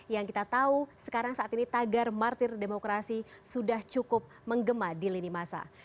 yang kita tahu sekarang saat ini tagar martir demokrasi sudah cukup menggema di lini masa